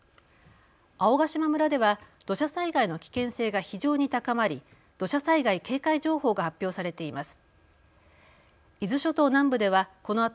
青ヶ島村では土砂災害の危険性が非常に高まり土砂災害警戒情報が発表されています。